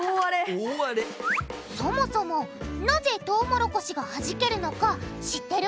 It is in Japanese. そもそもなぜトウモロコシがはじけるのか知ってる？